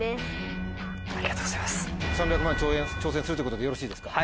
３００万挑戦するってことでよろしいですか？